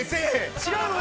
◆違うのね。